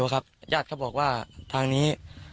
ครับญาติเขาบอกว่าทางนี้